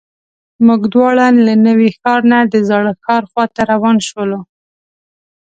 موږ دواړه له نوي ښار نه د زاړه ښار خواته روان شولو.